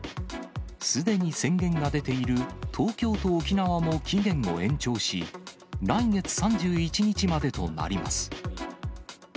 すでに宣言が出ている東京と沖縄も期限を延長し、来月３１日までとなります。